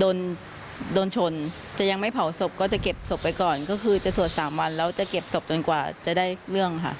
โดนโดนชนจะยังไม่เผาศพก็จะเก็บศพไปก่อนก็คือจะสวด๓วันแล้วจะเก็บศพจนกว่าจะได้เรื่องค่ะ